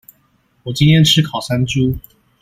我今天吃烤山豬